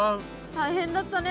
大変だったね